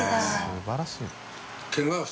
素晴らしいな。